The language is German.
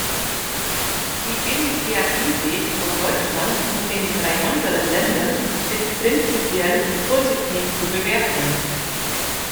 Die Initiative von Deutschland und den drei anderen Ländern ist prinzipiell positiv zu bewerten.